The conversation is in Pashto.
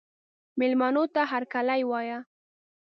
مېلمنو ته هرکلی وایه.